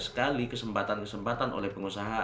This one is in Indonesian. sekali kesempatan kesempatan oleh pengusaha